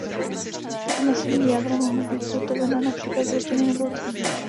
Tato masivní jádra mohou být zhotovena například z litiny nebo oceli.